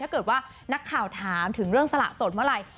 ถ้าเกิดว่านักข่าวถามถึงเรื่องสละสดเมื่อไหร่